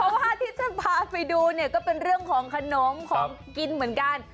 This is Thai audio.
เพราะว่าที่ฉันพาไปดูเนี่ยก็เป็นเรื่องของขนมของกินเหมือนกัน